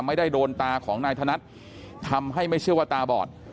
ไม่ได้โดนตาของนายธนัดทำให้ไม่เชื่อว่าตาบอด